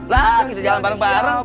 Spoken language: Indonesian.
lah kita jalan bareng bareng